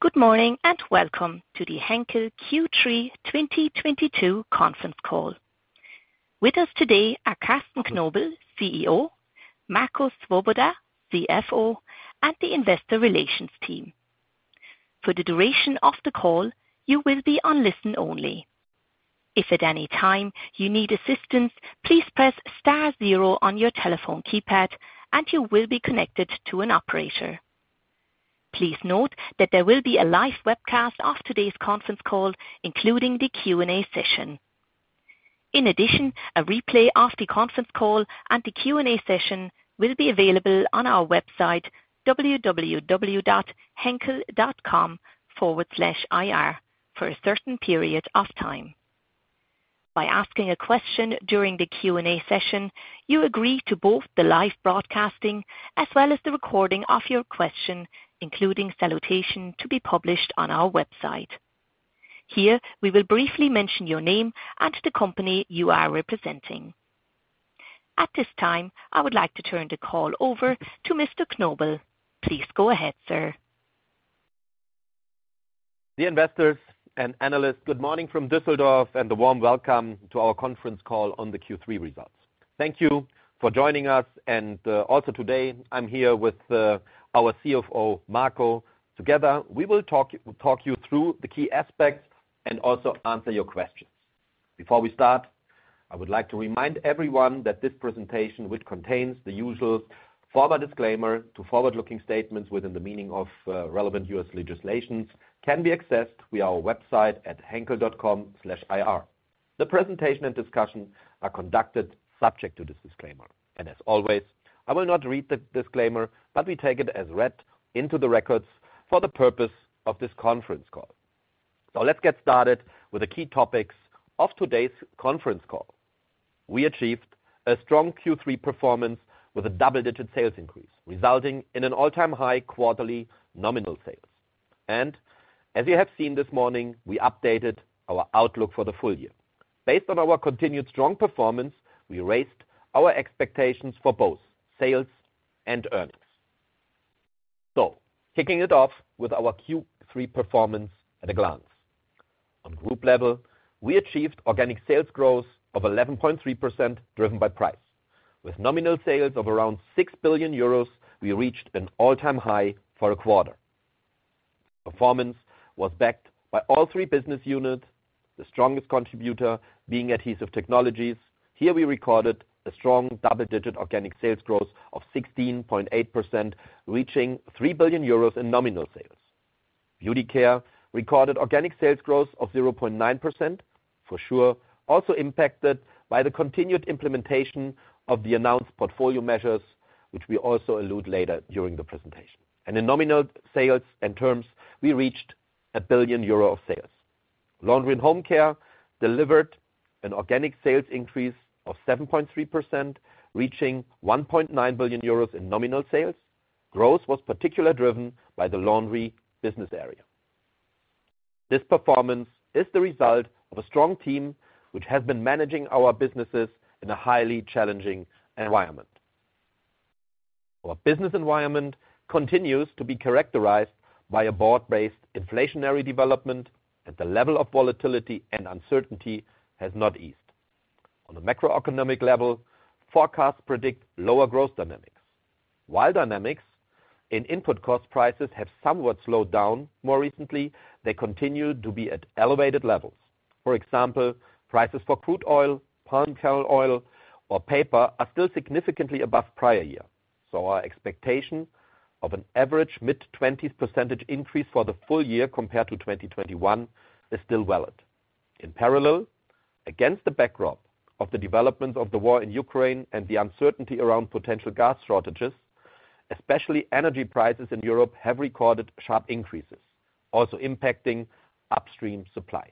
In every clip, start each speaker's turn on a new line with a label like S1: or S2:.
S1: Good morning and welcome to the Henkel Q3 2022 conference call. With us today are Carsten Knobel, CEO, Marco Swoboda, CFO, and the investor relations team. For the duration of the call, you will be on listen only. If at any time you need assistance, please press star zero on your telephone keypad, and you will be connected to an operator. Please note that there will be a live webcast of today's conference call, including the Q&A session. In addition, a replay of the conference call and the Q&A session will be available on our website, henkel.com/ir, for a certain period of time. By asking a question during the Q&A session, you agree to both the live broadcasting as well as the recording of your question, including salutation, to be published on our website. Here, we will briefly mention your name and the company you are representing. At this time, I would like to turn the call over to Mr. Knobel. Please go ahead, sir.
S2: Dear investors and analysts, good morning from Düsseldorf and a warm welcome to our conference call on the Q3 results. Thank you for joining us, also today, I'm here with our CFO, Marco. Together, we will talk you through the key aspects and also answer your questions. Before we start, I would like to remind everyone that this presentation, which contains the usual formal disclaimer to forward-looking statements within the meaning of relevant U.S. legislations, can be accessed via our website at henkel.com/ir. The presentation and discussion are conducted subject to this disclaimer. As always, I will not read the disclaimer, but we take it as read into the records for the purpose of this conference call. Let's get started with the key topics of today's conference call. We achieved a strong Q3 performance with a double-digit sales increase, resulting in an all-time high quarterly nominal sales. As you have seen this morning, we updated our outlook for the full year. Based on our continued strong performance, we raised our expectations for both sales and earnings. Kicking it off with our Q3 performance at a glance. On group level, we achieved organic sales growth of 11.3%, driven by price. With nominal sales of around 6 billion euros, we reached an all-time high for a quarter. Performance was backed by all three business units, the strongest contributor being Adhesive Technologies. Here we recorded a strong double-digit organic sales growth of 16.8%, reaching 3 billion euros in nominal sales. Beauty Care recorded organic sales growth of 0.9%, for sure also impacted by the continued implementation of the announced portfolio measures, which we also allude later during the presentation. In nominal sales and terms, we reached 1 billion euro of sales. Laundry & Home Care delivered an organic sales increase of 7.3%, reaching 1.9 billion euros in nominal sales. Growth was particularly driven by the laundry business area. This performance is the result of a strong team which has been managing our businesses in a highly challenging environment. Our business environment continues to be characterized by a broad-based inflationary development, and the level of volatility and uncertainty has not eased. On a macroeconomic level, forecasts predict lower growth dynamics. While dynamics in input cost prices have somewhat slowed down more recently, they continue to be at elevated levels. For example, prices for crude oil, palm kernel oil, or paper are still significantly above prior year. Our expectation of an average mid-20s% increase for the full year compared to 2021 is still valid. In parallel, against the backdrop of the development of the war in Ukraine and the uncertainty around potential gas shortages, especially energy prices in Europe have recorded sharp increases, also impacting upstream supply.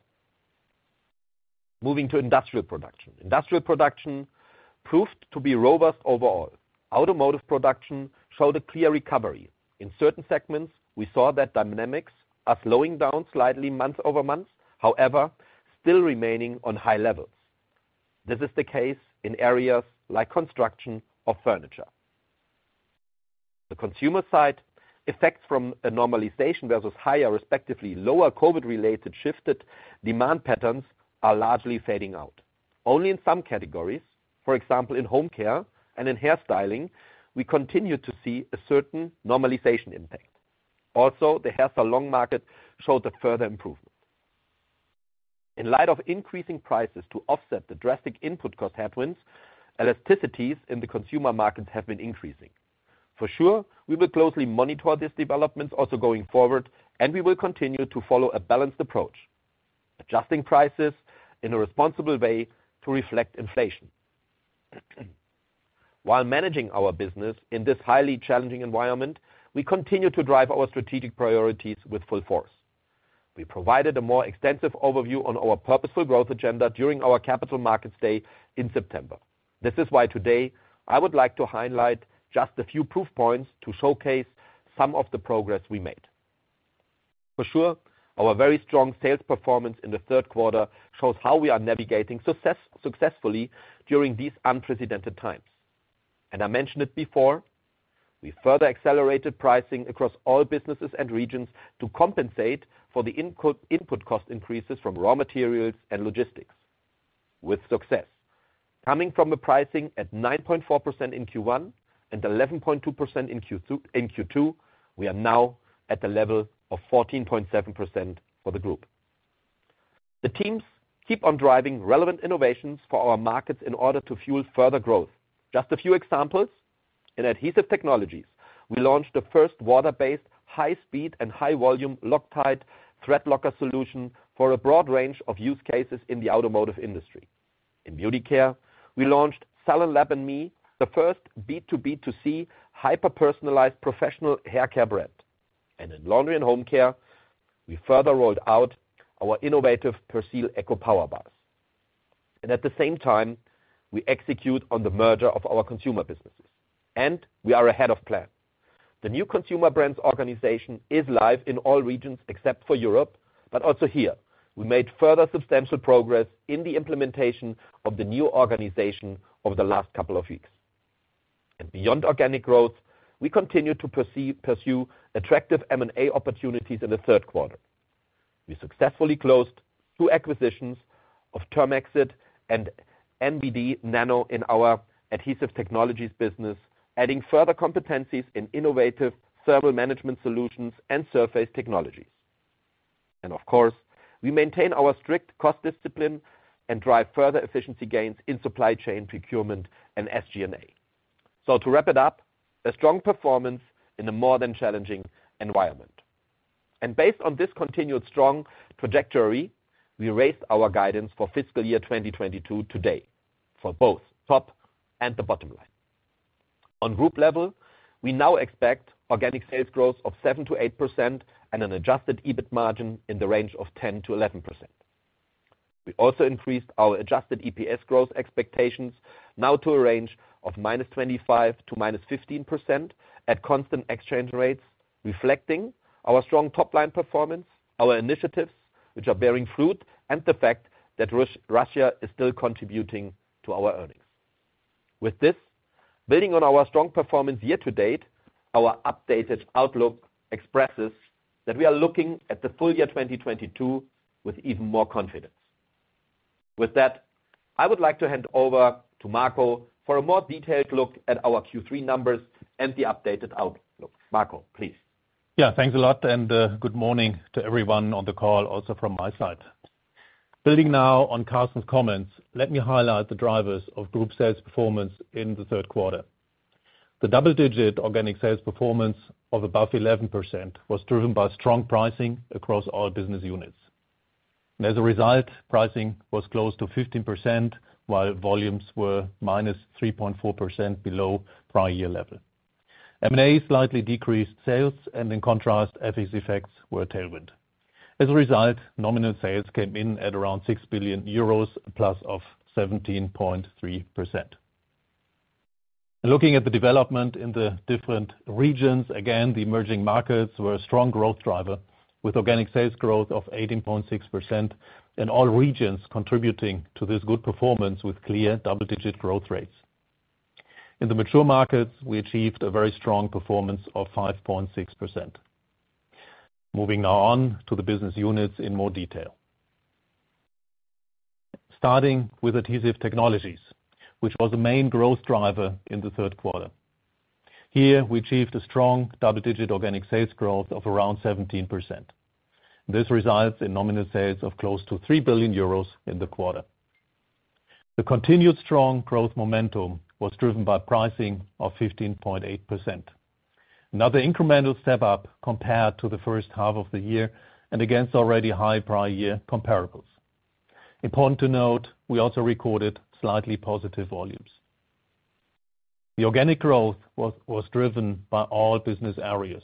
S2: Moving to industrial production. Industrial production proved to be robust overall. Automotive production showed a clear recovery. In certain segments, we saw that dynamics are slowing down slightly month-over-month, however, still remaining on high levels. This is the case in areas like construction or furniture. The consumer side effects from a normalization versus higher respectively lower COVID-related shifted demand patterns are largely fading out. Only in some categories, for example, in home care and in hairstyling, we continue to see a certain normalization impact. Also, the hair salon market showed a further improvement. In light of increasing prices to offset the drastic input cost headwinds, elasticities in the consumer markets have been increasing. For sure, we will closely monitor this development also going forward, and we will continue to follow a balanced approach, adjusting prices in a responsible way to reflect inflation. While managing our business in this highly challenging environment, we continue to drive our strategic priorities with full force. We provided a more extensive overview on our Purposeful Growth agenda during our capital markets day in September. This is why today I would like to highlight just a few proof points to showcase some of the progress we made. For sure, our very strong sales performance in the third quarter shows how we are navigating successfully during these unprecedented times. I mentioned it before, we further accelerated pricing across all businesses and regions to compensate for the input cost increases from raw materials and logistics, with success. Coming from a pricing at 9.4% in Q1 and 11.2% in Q2, we are now at the level of 14.7% for the group. The teams keep on driving relevant innovations for our markets in order to fuel further growth. Just a few examples. In Adhesive Technologies, we launched the first water-based, high-speed and high-volume Loctite thread locker solution for a broad range of use cases in the automotive industry. In Beauty Care, we launched SalonLab&Me, the first B2B2C hyper-personalized professional haircare brand. In Laundry & Home Care, we further rolled out our innovative Persil Eco Power Bars. At the same time, we execute on the merger of our consumer businesses, and we are ahead of plan. The new Consumer Brands organization is live in all regions except for Europe. Also here, we made further substantial progress in the implementation of the new organization over the last couple of weeks. Beyond organic growth, we continue to pursue attractive M&A opportunities in the third quarter. We successfully closed two acquisitions of Thermexit and NBD Nano in our Adhesive Technologies business, adding further competencies in innovative thermal management solutions and surface technologies. Of course, we maintain our strict cost discipline and drive further efficiency gains in supply chain procurement and SG&A. To wrap it up, a strong performance in a more than challenging environment. Based on this continued strong trajectory, we raised our guidance for fiscal year 2022 today for both top and the bottom line. On group level, we now expect organic sales growth of 7%-8% and an adjusted EBIT margin in the range of 10%-11%. We also increased our adjusted EPS growth expectations now to a range of -25% to -15% at constant exchange rates, reflecting our strong top-line performance, our initiatives, which are bearing fruit, and the fact that Russia is still contributing to our earnings. With this, building on our strong performance year-to-date, our updated outlook expresses that we are looking at the full year 2022 with even more confidence. With that, I would like to hand over to Marco for a more detailed look at our Q3 numbers and the updated outlook. Marco, please.
S3: Yeah, thanks a lot, and good morning to everyone on the call also from my side. Building now on Carsten's comments, let me highlight the drivers of group sales performance in the third quarter. The double-digit organic sales performance of above 11% was driven by strong pricing across all business units. As a result, pricing was close to 15%, while volumes were -3.4% below prior year level. M&A slightly decreased sales and in contrast, FX effects were tailwind. As a result, nominal sales came in at around 6 billion euros, a plus of 17.3%. Looking at the development in the different regions, again, the emerging markets were a strong growth driver, with organic sales growth of 18.6% and all regions contributing to this good performance with clear double-digit growth rates. In the mature markets, we achieved a very strong performance of 5.6%. Moving now on to the business units in more detail. Starting with Adhesive Technologies, which was the main growth driver in the third quarter. Here, we achieved a strong double-digit organic sales growth of around 17%. This results in nominal sales of close to 3 billion euros in the quarter. The continued strong growth momentum was driven by pricing of 15.8%. Another incremental step up compared to the first half of the year and against already high prior year comparables. Important to note, we also recorded slightly positive volumes. The organic growth was driven by all business areas.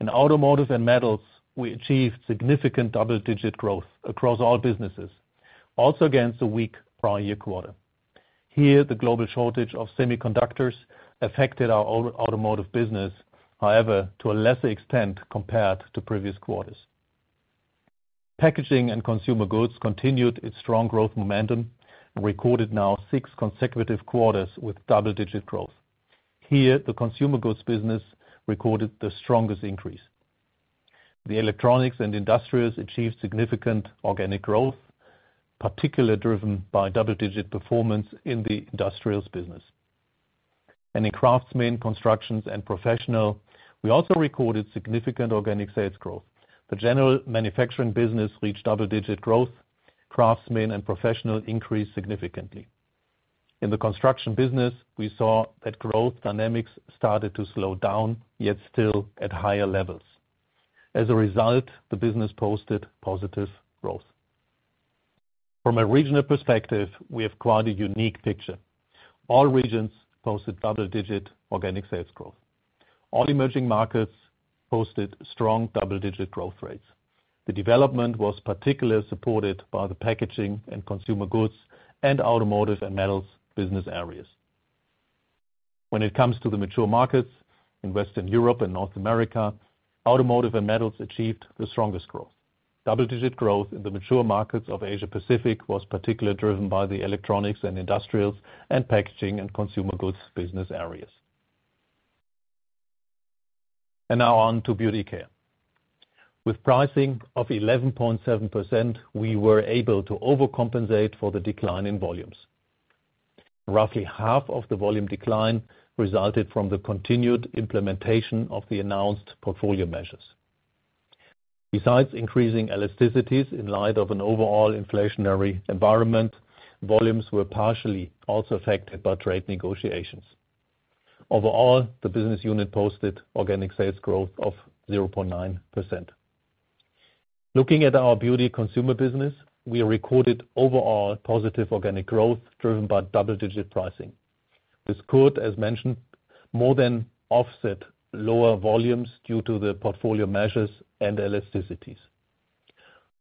S3: In automotive and metals, we achieved significant double-digit growth across all businesses, also against a weak prior year quarter. Here, the global shortage of semiconductors affected our automotive business, however, to a lesser extent compared to previous quarters. Packaging and consumer goods continued its strong growth momentum and recorded now six consecutive quarters with double-digit growth. Here, the consumer goods business recorded the strongest increase. The electronics and industrials achieved significant organic growth, particularly driven by double-digit performance in the industrials business. In Craftsmen, Construction and Professional, we also recorded significant organic sales growth. The general manufacturing business reached double-digit growth. Craftsman and professional increased significantly. In the construction business, we saw that growth dynamics started to slow down, yet still at higher levels. As a result, the business posted positive growth. From a regional perspective, we have quite a unique picture. All regions posted double-digit organic sales growth. All emerging markets posted strong double-digit growth rates. The development was particularly supported by the packaging and consumer goods and automotive and metals business areas. When it comes to the mature markets in Western Europe and North America, automotive and metals achieved the strongest growth. Double-digit growth in the mature markets of Asia Pacific was particularly driven by the electronics and industrials and packaging and consumer goods business areas. Now on to Beauty Care. With pricing of 11.7%, we were able to overcompensate for the decline in volumes. Roughly half of the volume decline resulted from the continued implementation of the announced portfolio measures. Besides increasing elasticities in light of an overall inflationary environment, volumes were partially also affected by trade negotiations. Overall, the business unit posted organic sales growth of 0.9%. Looking at our beauty consumer business, we recorded overall positive organic growth, driven by double-digit pricing. This could, as mentioned, more than offset lower volumes due to the portfolio measures and elasticities.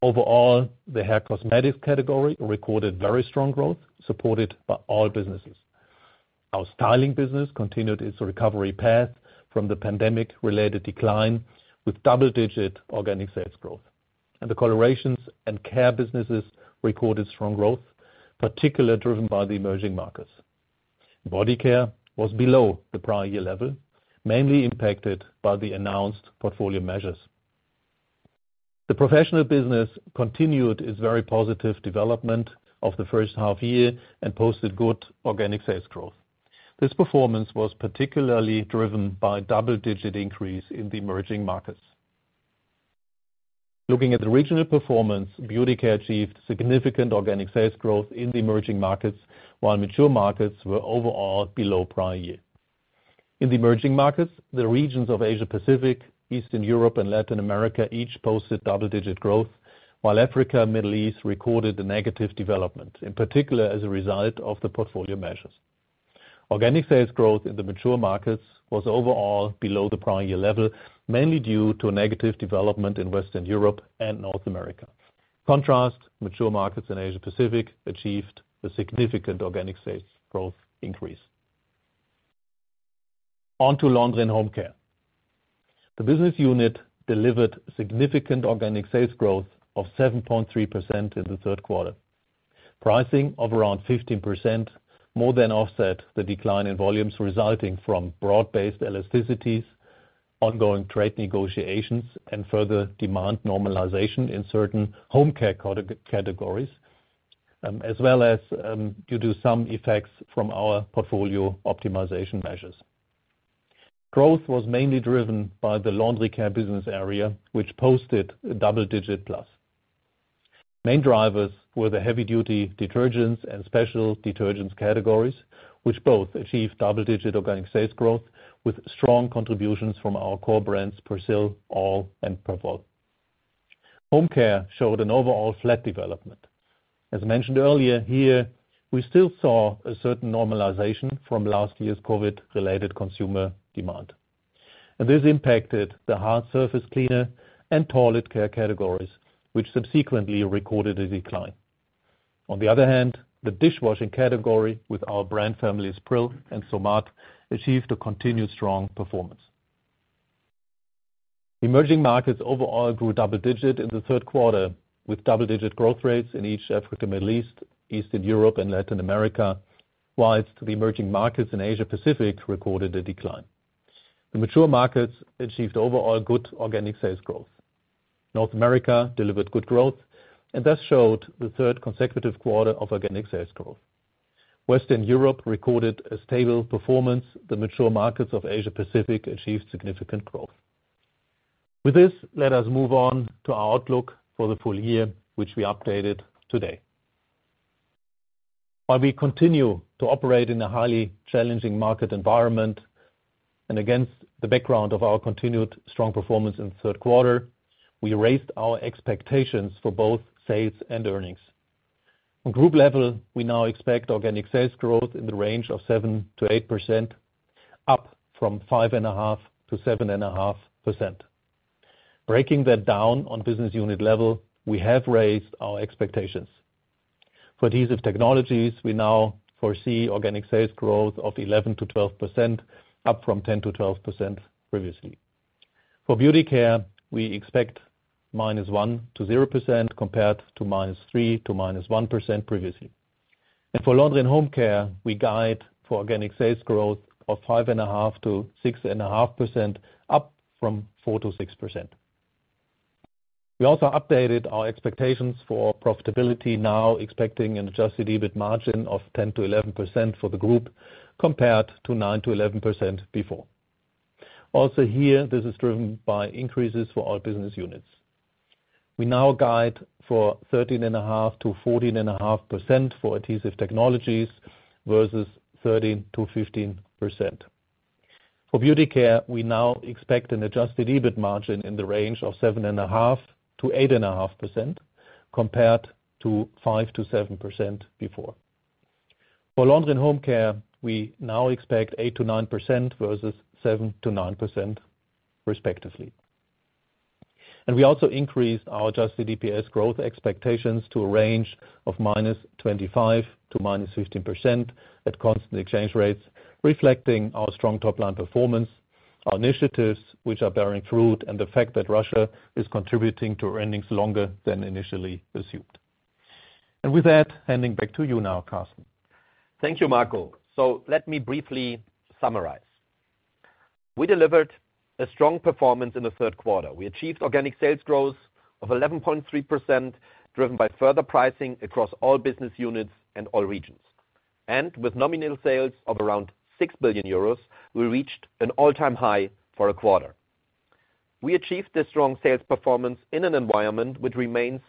S3: Overall, the hair cosmetics category recorded very strong growth, supported by all businesses. Our styling business continued its recovery path from the pandemic-related decline, with double-digit organic sales growth. The colorations and care businesses recorded strong growth, particularly driven by the emerging markets. Body care was below the prior year level, mainly impacted by the announced portfolio measures. The professional business continued its very positive development of the first half year and posted good organic sales growth. This performance was particularly driven by a double-digit increase in the emerging markets. Looking at the regional performance, Beauty Care achieved significant organic sales growth in the emerging markets, while mature markets were overall below prior year. In the emerging markets, the regions of Asia Pacific, Eastern Europe, and Latin America each posted double-digit growth, while Africa, Middle East, recorded a negative development, in particular as a result of the portfolio measures. Organic sales growth in the mature markets was overall below the prior year level, mainly due to a negative development in Western Europe and North America. Contrast, mature markets in Asia Pacific achieved a significant organic sales growth increase. On to Laundry & Home Care. The business unit delivered significant organic sales growth of 7.3% in the third quarter. Pricing of around 15% more than offset the decline in volumes resulting from broad-based elasticities, ongoing trade negotiations, and further demand normalization in certain home care categories, as well as due to some effects from our portfolio optimization measures. Growth was mainly driven by the laundry care business area, which posted double-digit plus. Main drivers were the heavy duty detergents and special detergents categories, which both achieved double-digit organic sales growth with strong contributions from our core brands, Persil, all, and Perwoll. Home care showed an overall flat development. As mentioned earlier, here, we still saw a certain normalization from last year's COVID-related consumer demand. This impacted the hard surface cleaner and toilet care categories, which subsequently recorded a decline. On the other hand, the dishwashing category with our brand families Pril and Somat, achieved a continued strong performance. Emerging markets overall grew double-digit in the third quarter, with double-digit growth rates in each Africa, Middle East, Eastern Europe, and Latin America. Whilst the emerging markets in Asia Pacific recorded a decline. The mature markets achieved overall good organic sales growth. North America delivered good growth and thus showed the third consecutive quarter of organic sales growth. Western Europe recorded a stable performance. The mature markets of Asia Pacific achieved significant growth. With this, let us move on to our outlook for the full year, which we updated today. While we continue to operate in a highly challenging market environment, against the background of our continued strong performance in the third quarter, we raised our expectations for both sales and earnings. On group level, we now expect organic sales growth in the range of 7%-8%, up from 5.5%-7.5%. Breaking that down on business unit level, we have raised our expectations. For Adhesive Technologies, we now foresee organic sales growth of 11%-12%, up from 10%-12% previously. For Beauty Care, we expect -1%-0%, compared to -3%- -1% previously. For Laundry and Home Care, we guide for organic sales growth of 5.5%-6.5%, up from 4%-6%. We also updated our expectations for profitability, now expecting an adjusted EBIT margin of 10%-11% for the group, compared to 9%-11% before. Also here, this is driven by increases for all business units. We now guide for 13.5%-14.5% for Adhesive Technologies, versus 13%-15%. For Beauty Care, we now expect an adjusted EBIT margin in the range of 7.5%-8.5%, compared to 5%-7% before. For Laundry and Home Care, we now expect 8%-9% versus 7%-9%, respectively. We also increased our adjusted EPS growth expectations to a range of -25%- -15% at constant exchange rates, reflecting our strong top-line performance. Our initiatives which are bearing fruit and the fact that Russia is contributing to earnings longer than initially assumed. With that, handing back to you now, Carsten.
S2: Thank you, Marco. Let me briefly summarize. We delivered a strong performance in the third quarter. We achieved organic sales growth of 11.3%, driven by further pricing across all business units and all regions. With nominal sales of around 6 billion euros, we reached an all-time high for a quarter. We achieved this strong sales performance in an environment which remains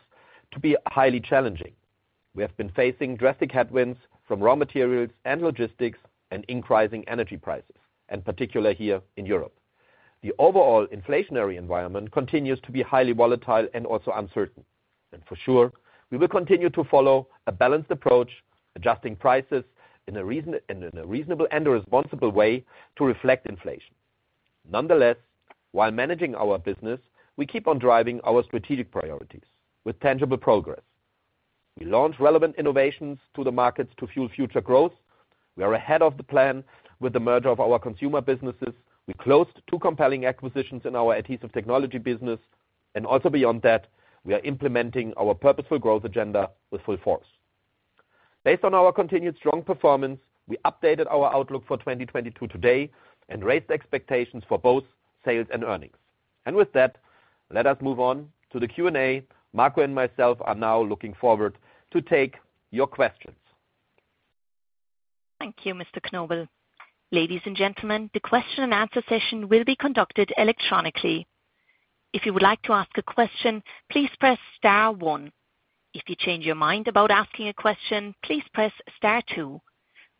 S2: to be highly challenging. We have been facing drastic headwinds from raw materials and logistics and increasing energy prices, and particular here in Europe. The overall inflationary environment continues to be highly volatile and also uncertain. For sure, we will continue to follow a balanced approach, adjusting prices in a reasonable and a responsible way to reflect inflation. Nonetheless, while managing our business, we keep on driving our strategic priorities with tangible progress. We launch relevant innovations to the markets to fuel future growth. We are ahead of the plan with the merger of our consumer businesses. We closed two compelling acquisitions in our Adhesive Technologies business. Beyond that, we are implementing our Purposeful Growth agenda with full force. Based on our continued strong performance, we updated our outlook for 2022 today and raised expectations for both sales and earnings. With that, let us move on to the Q&A. Marco and myself are now looking forward to take your questions.
S1: Thank you, Mr. Knobel. Ladies and gentlemen, the question and answer session will be conducted electronically. If you would like to ask a question, please press star one. If you change your mind about asking a question, please press star two.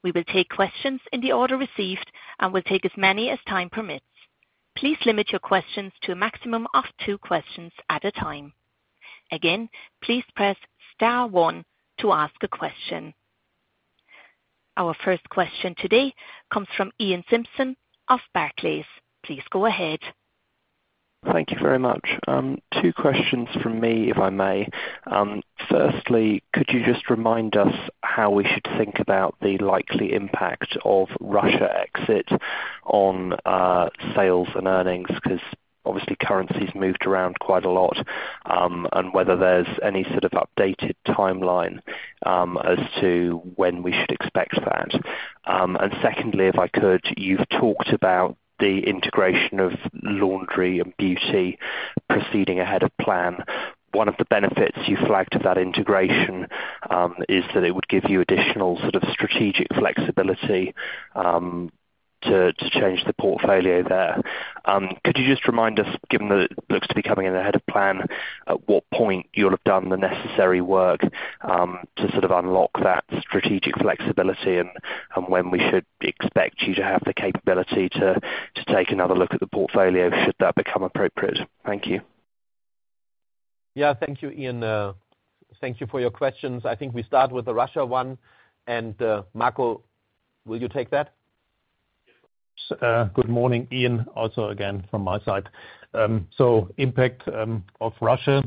S1: We will take questions in the order received and will take as many as time permits. Please limit your questions to a maximum of two questions at a time. Again, please press star one to ask a question. Our first question today comes from Iain Simpson of Barclays. Please go ahead.
S4: Thank you very much. Two questions from me, if I may. Firstly, could you just remind us how we should think about the likely impact of Russia exit on sales and earnings? Because obviously currencies moved around quite a lot, whether there's any sort of updated timeline, as to when we should expect that. Secondly, if I could, you've talked about the integration of Laundry and Beauty proceeding ahead of plan. One of the benefits you flagged of that integration, is that it would give you additional sort of strategic flexibility to change the portfolio there. Could you just remind us, given that it looks to be coming in ahead of plan, at what point you'll have done the necessary work to sort of unlock that strategic flexibility and when we should expect you to have the capability to take another look at the portfolio should that become appropriate? Thank you.
S2: Yeah, thank you, Iain. Thank you for your questions. I think we start with the Russia one. Marco, will you take that?
S3: Good morning, Iain, also again from my side. Impact of Russia.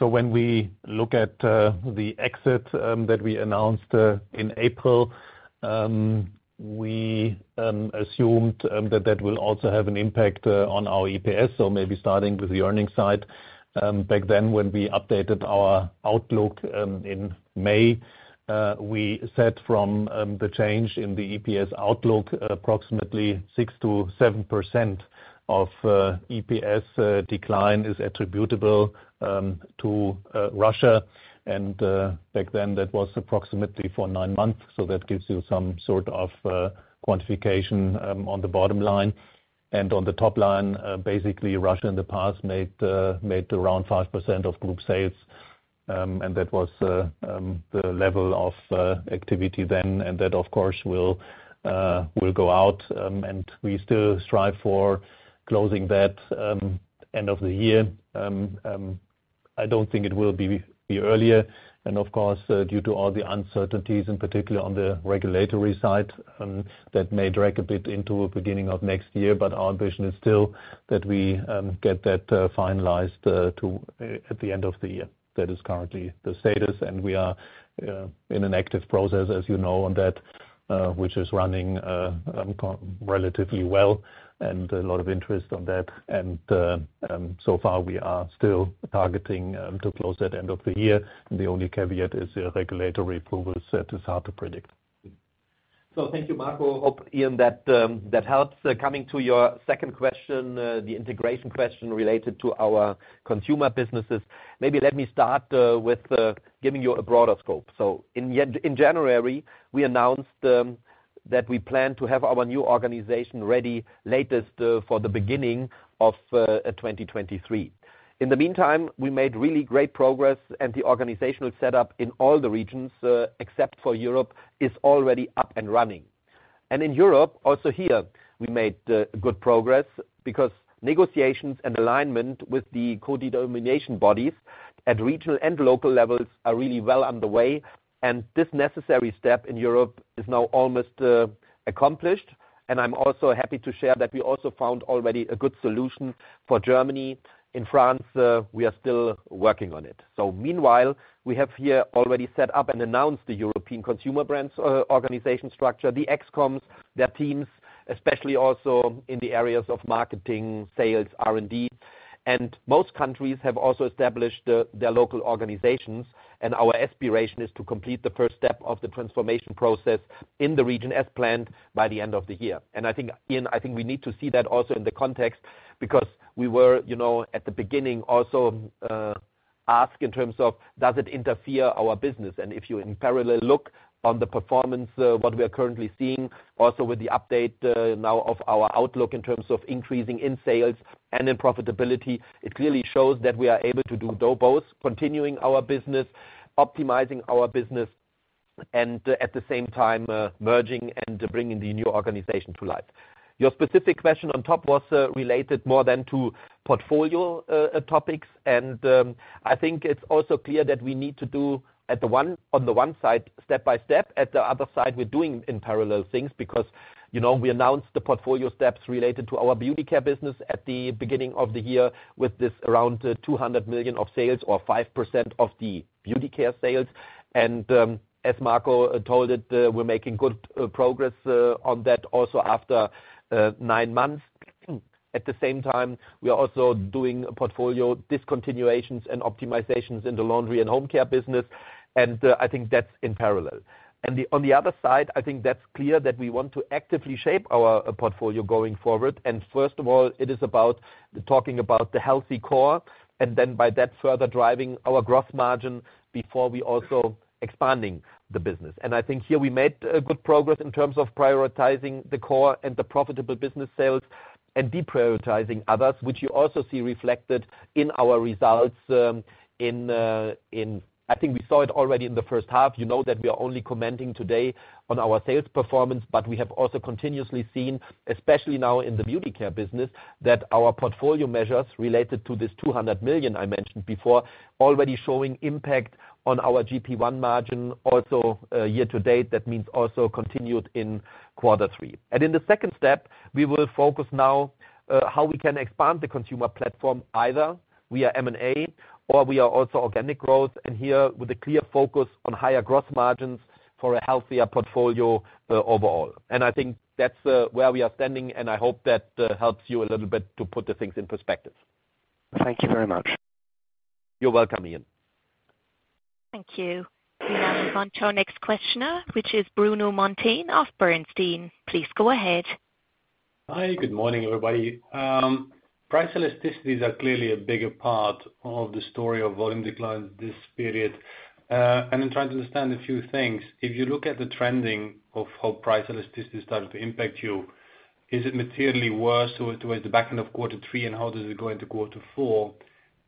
S3: When we look at the exit that we announced in April, we assumed that that will also have an impact on our EPS. Maybe starting with the earnings side. Back then when we updated our outlook, in May, we said from the change in the EPS outlook, approximately 6%-7% of EPS decline is attributable to Russia. Back then that was approximately for nine months. That gives you some sort of quantification on the bottom line. On the top line, basically Russia in the past made around 5% of group sales. That was the level of activity then. That of course will go out. We still strive for closing that end of the year. I don't think it will be earlier. Of course, due to all the uncertainties and particularly on the regulatory side, that may drag a bit into beginning of next year. Our vision is still that we get that finalized at the end of the year. That is currently the status. We are in an active process, as you know, on that, which is running relatively well and a lot of interest on that. So far we are still targeting to close at end of the year. The only caveat is regulatory approval set is hard to predict.
S2: Thank you, Marco. Hope, Iain, that helps. Coming to your second question, the integration question related to our consumer businesses. Maybe let me start with giving you a broader scope. In January, we announced that we plan to have our new organization ready latest for the beginning of 2023. In the meantime, we made really great progress and the organizational setup in all the regions, except for Europe, is already up and running. In Europe, also here we made good progress because negotiations and alignment with the co-determination bodies at regional and local levels are really well underway. This necessary step in Europe is now almost accomplished. I'm also happy to share that we also found already a good solution for Germany. In France, we are still working on it. Meanwhile, we have here already set up and announced the European Consumer Brands organization structure, the ExComs, their teams, especially also in the areas of marketing, sales, R&D. Most countries have also established their local organizations, and our aspiration is to complete the first step of the transformation process in the region as planned by the end of the year. I think, Iain, we need to see that also in the context because we were, at the beginning, also asked in terms of, does it interfere our business? If you in parallel look on the performance, what we are currently seeing also with the update now of our outlook in terms of increasing in sales and in profitability, it clearly shows that we are able to do both, continuing our business, optimizing our business, and at the same time, merging and bringing the new organization to life. Your specific question on top was related more than to portfolio topics. I think it's also clear that we need to do on the one side, step by step. At the other side, we're doing in parallel things because we announced the portfolio steps related to our Beauty Care business at the beginning of the year with this around 200 million of sales or 5% of the Beauty Care sales. As Marco told it, we're making good progress on that also after nine months. At the same time, we are also doing portfolio discontinuations and optimizations in the Laundry & Home Care business. I think that's in parallel. On the other side, I think that's clear that we want to actively shape our portfolio going forward. First of all, it is about talking about the healthy core, then by that, further driving our gross margin before we also expanding the business. I think here we made good progress in terms of prioritizing the core and the profitable business sales and deprioritizing others, which you also see reflected in our results. I think we saw it already in the first half. You know that we are only commenting today on our sales performance, but we have also continuously seen, especially now in the Beauty Care business, that our portfolio measures related to this 200 million I mentioned before, already showing impact on our GP1 margin also year to date. That means also continued in quarter three. In the second step, we will focus now how we can expand the consumer platform, either via M&A or via also organic growth, here with a clear focus on higher gross margins for a healthier portfolio overall. I think that's where we are standing, and I hope that helps you a little bit to put the things in perspective.
S4: Thank you very much.
S2: You're welcome, Iain.
S1: Thank you. We now move on to our next questioner, which is Bruno Monteyne of Bernstein. Please go ahead.
S5: Hi. Good morning, everybody. Price elasticities are clearly a bigger part of the story of volume declines this period. I'm trying to understand a few things. If you look at the trending of how price elasticity started to impact you, is it materially worse towards the back end of Q3, and how does it go into Q4?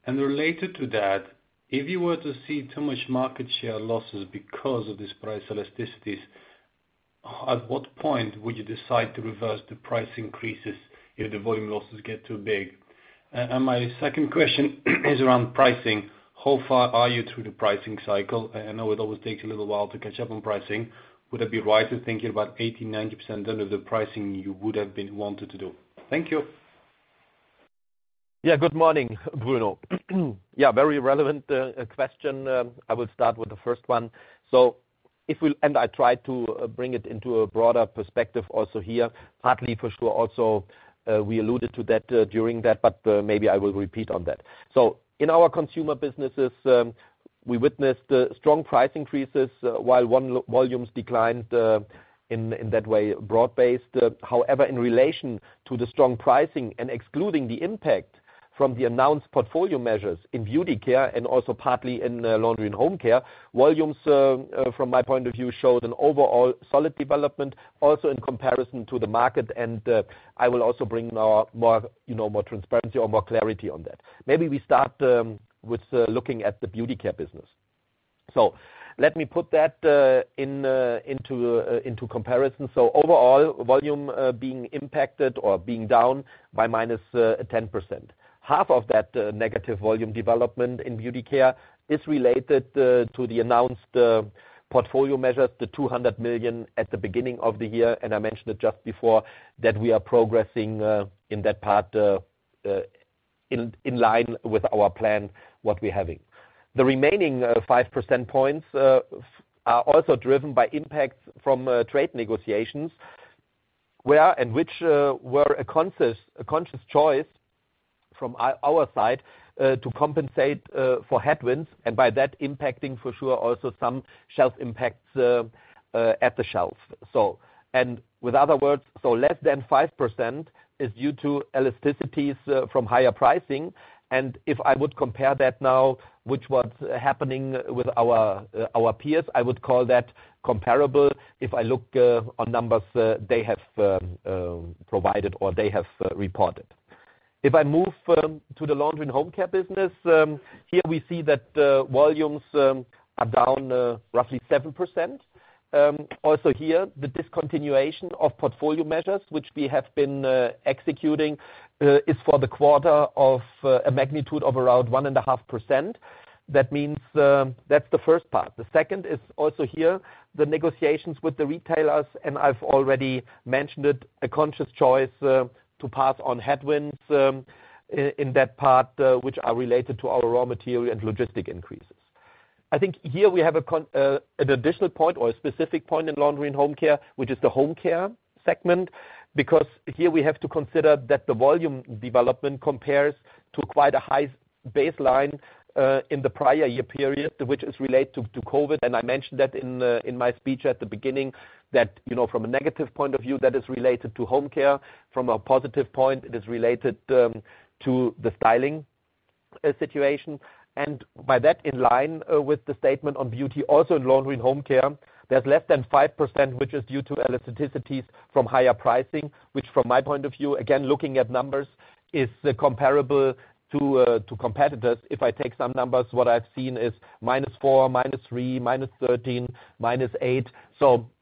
S5: Related to that, if you were to see too much market share losses because of this price elasticities, at what point would you decide to reverse the price increases if the volume losses get too big? My second question is around pricing. How far are you through the pricing cycle? I know it always takes a little while to catch up on pricing. Would it be right in thinking about 80-90% done of the pricing you would have been wanted to do? Thank you.
S2: Good morning, Bruno. Very relevant question. I will start with the first one. I try to bring it into a broader perspective also here, partly for sure, we alluded to that during that, but maybe I will repeat on that. In our consumer businesses, we witnessed strong price increases while volumes declined, in that way, broad based. However, in relation to the strong pricing and excluding the impact from the announced portfolio measures in Beauty Care and also partly in Laundry & Home Care, volumes, from my point of view, showed an overall solid development also in comparison to the market. I will also bring now more transparency or more clarity on that. Maybe we start with looking at the Beauty Care business. Let me put that into comparison. Overall volume, being impacted or being down by minus 10%. Half of that negative volume development in Beauty Care is related to the announced portfolio measures, the 200 million at the beginning of the year, and I mentioned it just before that we are progressing in that part in line with our plan, what we're having. The remaining 5 percentage points are also driven by impacts from trade negotiations, which were a conscious choice from our side, to compensate for headwinds, and by that impacting for sure, also some shelf impacts at the shelf. With other words, less than 5% is due to elasticities from higher pricing. If I would compare that now, which was happening with our peers, I would call that comparable if I look on numbers they have provided or they have reported. If I move to the Laundry & Home Care business, here we see that volumes are down roughly 7%. Also here, the discontinuation of portfolio measures, which we have been executing, is for the quarter of a magnitude of around 1.5%. That means that's the first part. The second is also here, the negotiations with the retailers, and I've already mentioned it, a conscious choice to pass on headwinds in that part, which are related to our raw material and logistic increases. I think here we have an additional point or a specific point in Laundry & Home Care, which is the Home Care segment, because here we have to consider that the volume development compares to quite a high baseline in the prior year period, which is related to COVID. I mentioned that in my speech at the beginning that from a negative point of view, that is related to Home Care. From a positive point, it is related to the styling situation. By that, in line with the statement on Beauty, also in Laundry & Home Care, there's less than 5%, which is due to elasticities from higher pricing, which from my point of view, again, looking at numbers, is comparable to competitors. If I take some numbers, what I've seen is minus 4, minus 3, minus 13, minus 8.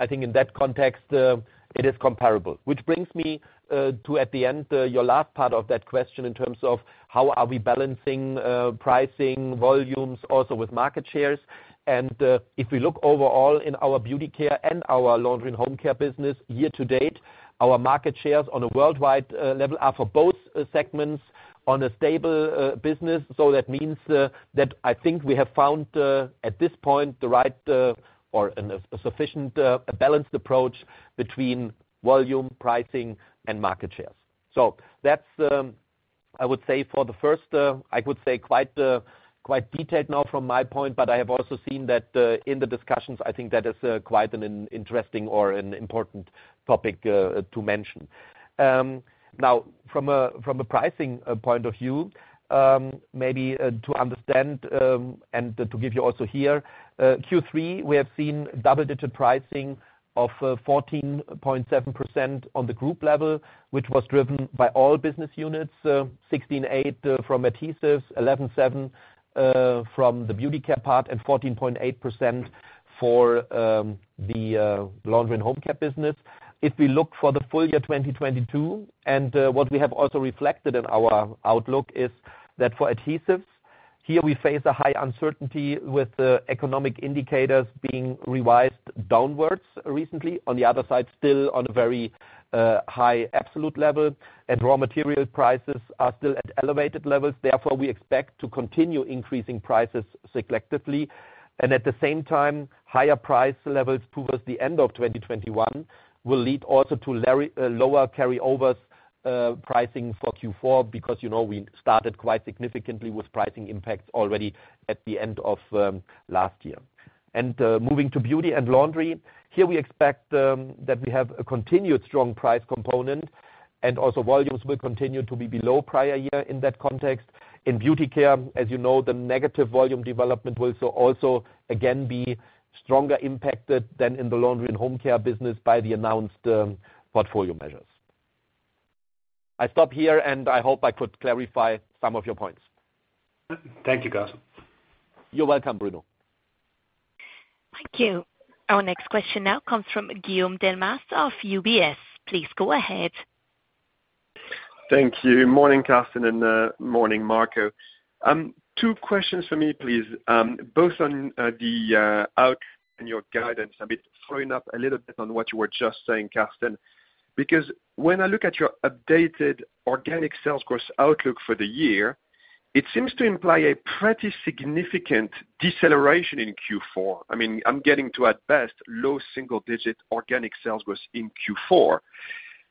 S2: I think in that context, it is comparable. Which brings me to, at the end, your last part of that question in terms of how are we balancing pricing volumes also with market shares. If we look overall in our Beauty Care and our Laundry & Home Care business year to date, our market shares on a worldwide level are, for both segments, on a stable business. That means that I think we have found, at this point, the right or a sufficient, balanced approach between volume, pricing, and market shares. That's, I would say for the first, I could say quite detailed now from my point, but I have also seen that in the discussions, I think that is quite an interesting or an important topic to mention. From a pricing point of view, maybe to understand, and to give you also here, Q3, we have seen double-digit pricing of 14.7% on the group level, which was driven by all business units, 16.8% from Adhesives, 11.7% from the Beauty Care part, and 14.8% for the Laundry & Home Care business. If we look for the full year 2022, what we have also reflected in our outlook is that for Adhesives, here we face a high uncertainty with the economic indicators being revised downwards recently. On the other side, still on a very high absolute level, raw material prices are still at elevated levels. Therefore, we expect to continue increasing prices selectively. At the same time, higher price levels towards the end of 2021 will lead also to lower carryovers pricing for Q4, because we started quite significantly with pricing impacts already at the end of last year. Moving to Beauty and Laundry, here, we expect that we have a continued strong price component, and also volumes will continue to be below prior year in that context. In Beauty Care, as you know, the negative volume development will also again be stronger impacted than in the Laundry & Home Care business by the announced portfolio measures. I stop here, and I hope I could clarify some of your points.
S5: Thank you, Carsten.
S2: You're welcome, Bruno.
S1: Thank you. Our next question now comes from Guillaume Delmas of UBS. Please go ahead.
S6: Thank you. Morning, Carsten, and morning, Marco. Two questions for me, please, both on the outlook and your guidance. A bit following up a little bit on what you were just saying, Carsten. Because when I look at your updated organic sales growth outlook for the year, it seems to imply a pretty significant deceleration in Q4. I'm getting to, at best, low single-digit organic sales growth in Q4.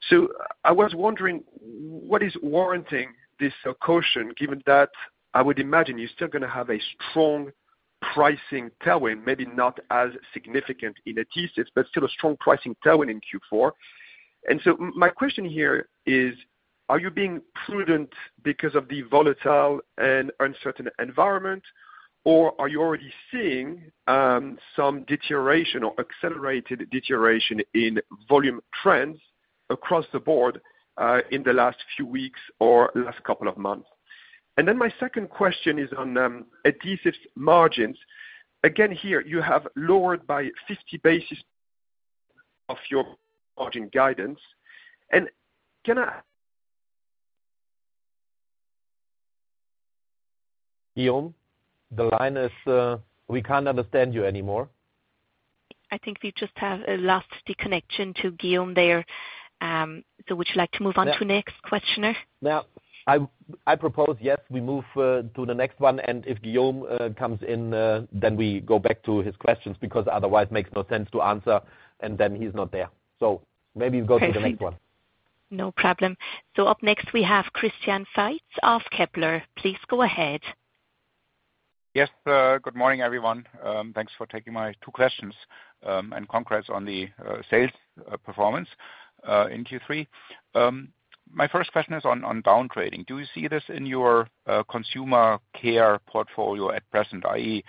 S6: So I was wondering what is warranting this caution, given that I would imagine you're still going to have a strong pricing tailwind, maybe not as significant in Adhesives, but still a strong pricing tailwind in Q4. My question here is, are you being prudent because of the volatile and uncertain environment, or are you already seeing some deterioration or accelerated deterioration in volume trends across the board, in the last few weeks or last couple of months? My second question is on Adhesives margins. Again, here you have lowered by 50 basis of your margin guidance. Can I
S2: Guillaume, the line. We can't understand you anymore.
S1: I think we just have lost the connection to Guillaume there. Would you like to move on to next questioner?
S2: I propose, yes, we move to the next one, if Guillaume comes in, then we go back to his questions, because otherwise makes no sense to answer, and then he's not there. Maybe we go to the next one.
S1: No problem. Up next, we have Christian Faitz of Kepler. Please go ahead.
S7: Yes, good morning, everyone. Thanks for taking my two questions, and congrats on the sales performance, in Q3. My first question is on down trading. Do you see this in your consumer care portfolio at present, i.e.,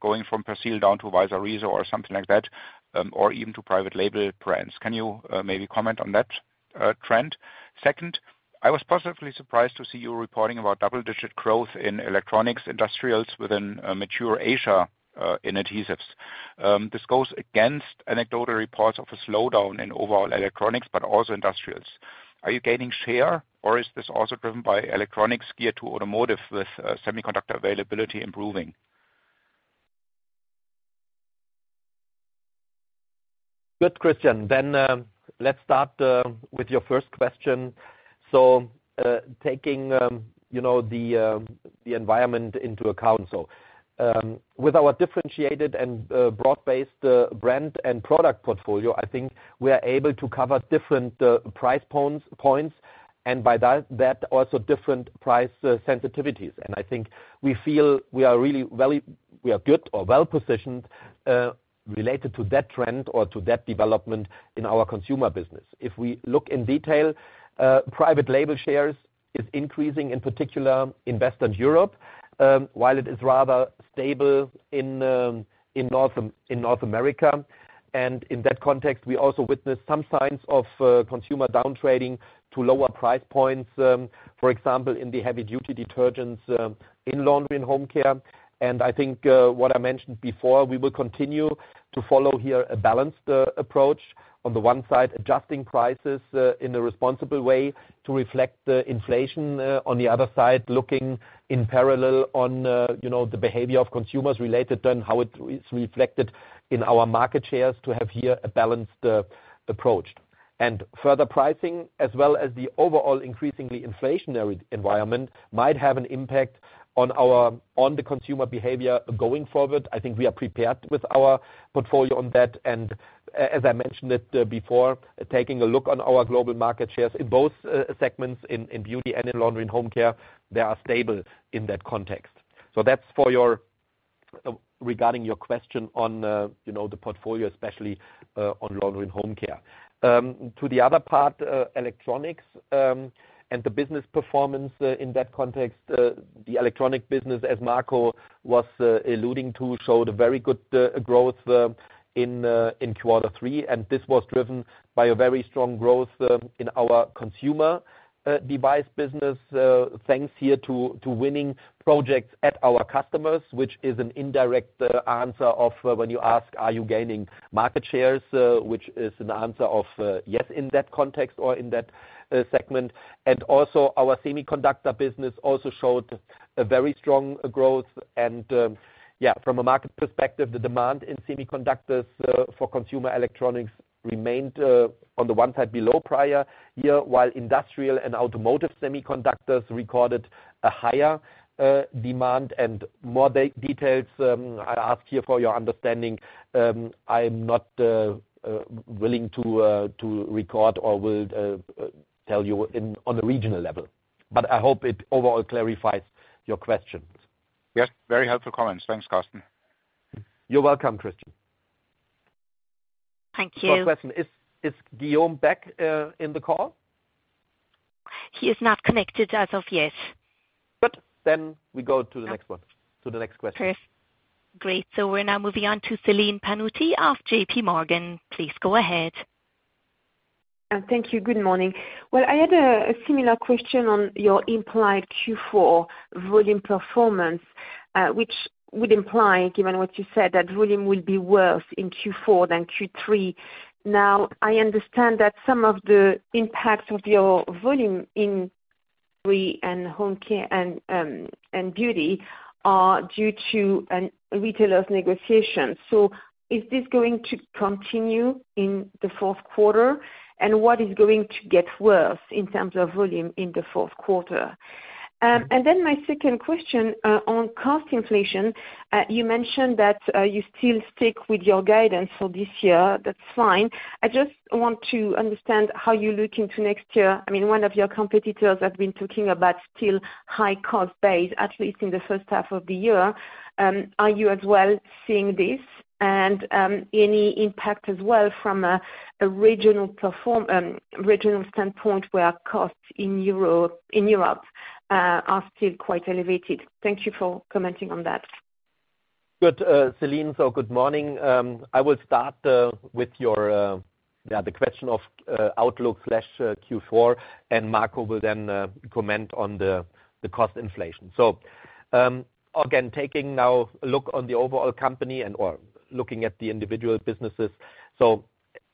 S7: going from Persil down to Weißer Riese or something like that, or even to private label brands? Can you maybe comment on that trend? Second, I was positively surprised to see you reporting about double-digit growth in electronics industrials within mature Asia, in adhesives. This goes against anecdotal reports of a slowdown in overall electronics, but also industrials. Are you gaining share, or is this also driven by electronics geared to automotive with semiconductor availability improving?
S2: Good, Christian. Let's start with your first question. Taking the environment into account. With our differentiated and broad-based brand and product portfolio, I think we are able to cover different price points, and by that, also different price sensitivities. I think we feel we are good or well-positioned, related to that trend or to that development in our consumer business. If we look in detail, private label shares is increasing, in particular in Western Europe, while it is rather stable in North America. In that context, we also witness some signs of consumer downtrading to lower price points, for example, in the heavy-duty detergents in laundry and home care. I think what I mentioned before, we will continue to follow here a balanced approach. On the one side, adjusting prices in a responsible way to reflect the inflation. On the other side, looking in parallel on the behavior of consumers related then how it's reflected in our market shares to have here a balanced approach. Further pricing, as well as the overall increasingly inflationary environment, might have an impact on the consumer behavior going forward. I think we are prepared with our portfolio on that. As I mentioned it before, taking a look on our global market shares in both segments, in beauty and in laundry and home care, they are stable in that context. That's regarding your question on the portfolio, especially on laundry and home care. To the other part, electronics, and the business performance in that context, the electronic business, as Marco was alluding to, showed a very good growth in quarter three, and this was driven by a very strong growth in our consumer device business, thanks here to winning projects at our customers, which is an indirect answer of when you ask, are you gaining market shares, which is an answer of yes in that context or in that segment. Also our semiconductor business also showed a very strong growth. From a market perspective, the demand in semiconductors for consumer electronics remained on the one side below prior year, while industrial and automotive semiconductors recorded a higher demand and more details, I ask here for your understanding, I'm not willing to record or will tell you on a regional level. I hope it overall clarifies your questions.
S7: Yes, very helpful comments. Thanks, Carsten.
S2: You're welcome, Christian.
S1: Thank you.
S2: Last question, is Guillaume back in the call?
S1: He is not connected as of yet.
S2: Good. We go to the next question.
S1: Perfect. Great. We're now moving on to Celine Pannuti of J.P. Morgan. Please go ahead.
S8: Thank you. Good morning. I had a similar question on your implied Q4 volume performance, which would imply, given what you said, that volume will be worse in Q4 than Q3. I understand that some of the impacts of your volume in Laundry & Home Care and Beauty Care are due to a retailer's negotiation. Is this going to continue in the fourth quarter? What is going to get worse in terms of volume in the fourth quarter? My second question on cost inflation. You mentioned that you still stick with your guidance for this year. That's fine. I just want to understand how you look into next year. One of your competitors have been talking about still high cost base, at least in the first half of the year. Are you as well seeing this? Any impact as well from a regional standpoint where costs in Europe are still quite elevated. Thank you for commenting on that.
S2: Good, Celine. Good morning. I will start with the question of outlook/Q4, and Marco will then comment on the cost inflation. Again, taking now a look on the overall company and/or looking at the individual businesses.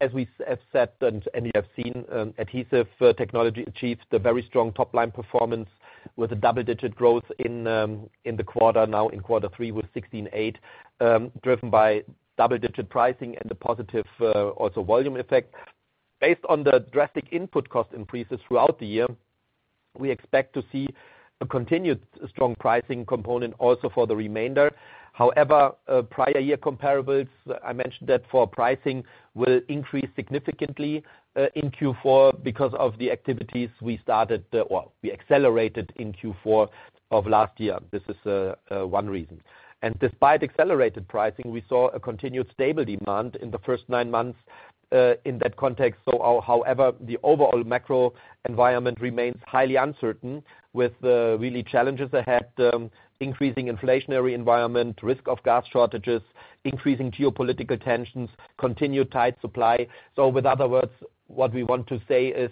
S2: As we have said, and you have seen, Adhesive Technologies achieved a very strong top-line performance with a double-digit growth in the quarter, now in Q3 with 16.8%, driven by double-digit pricing and the positive also volume effect. Based on the drastic input cost increases throughout the year, we expect to see a continued strong pricing component also for the remainder. However, prior year comparables, I mentioned that for pricing, will increase significantly in Q4 because of the activities we accelerated in Q4 of last year. This is one reason. Despite accelerated pricing, we saw a continued stable demand in the first nine months in that context. However, the overall macro environment remains highly uncertain with really challenges ahead, increasing inflationary environment, risk of gas shortages, increasing geopolitical tensions, continued tight supply. With other words, what we want to say is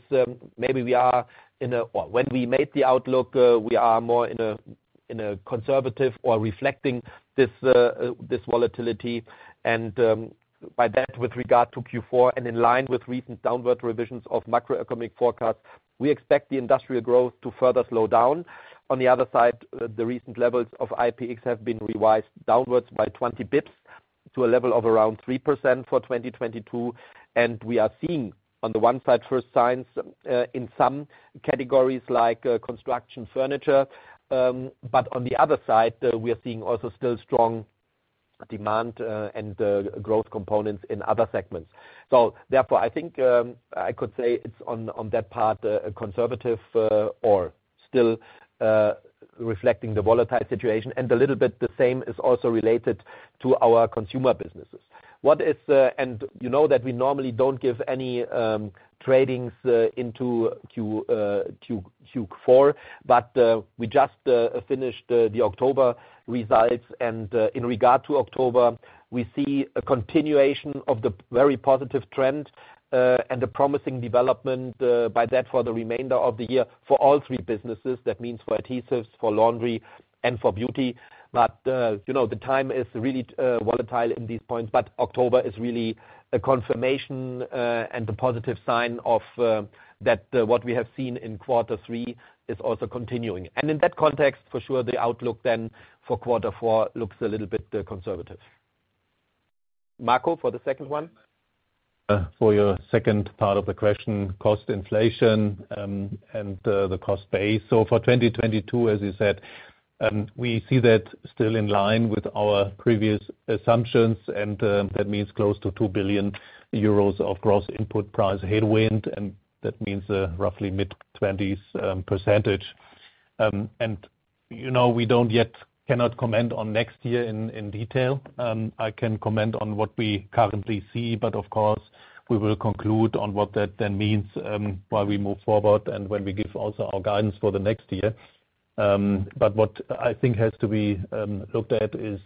S2: maybe we are in a or when we made the outlook, we are more in a conservative or reflecting this volatility and by that, with regard to Q4 and in line with recent downward revisions of macroeconomic forecasts, we expect the industrial growth to further slow down. On the other side, the recent levels of IPX have been revised downwards by 20 bps to a level of around 3% for 2022. We are seeing, on the one side, first signs in some categories like construction furniture. On the other side, we are seeing also still strong demand and growth components in other segments. Therefore, I think I could say it's on that part, a conservative or still reflecting the volatile situation and a little bit the same is also related to our consumer businesses. You know that we normally don't give any tradings into Q4, but we just finished the October results, in regard to October, we see a continuation of the very positive trend and a promising development by that for the remainder of the year for all three businesses. That means for Adhesives, for Laundry and for Beauty. The time is really volatile in these points, October is really a confirmation and a positive sign of that what we have seen in Q3 is also continuing. In that context, for sure, the outlook for Q4 looks a little bit conservative. Marco, for the second one?
S3: For your second part of the question, cost inflation and the cost base. For 2022, as you said, we see that still in line with our previous assumptions, and that means close to 2 billion euros of gross input price headwind, and that means roughly mid-20s%. We cannot comment on next year in detail. I can comment on what we currently see, but of course, we will conclude on what that then means while we move forward and when we give also our guidance for the next year. What I think has to be looked at is,